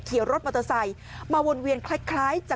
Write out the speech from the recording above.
กลุ่มหนึ่งก็คือ